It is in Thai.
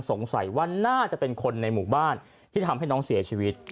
สงสัยว่าน่าจะเป็นคนในหมู่บ้านที่ทำให้น้องเสียชีวิต